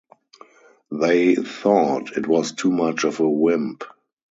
They thought I was too much of a wimp.